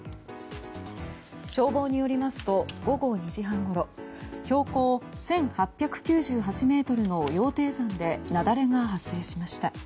消防によりますと午後２時半ごろ標高１８９８ｍの羊蹄山で雪崩が発生しました。